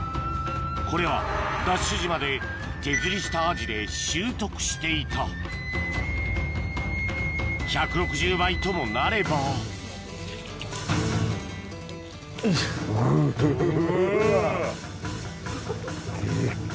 これはＤＡＳＨ島で手釣りしたアジで習得していた１６０倍ともなればよいしょ。